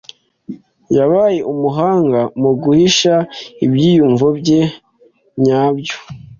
Yabaye umuhanga mu guhisha ibyiyumvo bye nyabyo.